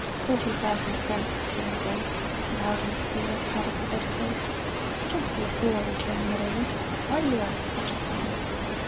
"Thirty thousand francs," came a voice, loud and clear out of the bedclothes. "Don't be a fool," returned Merelli "why do you ask such a sum!"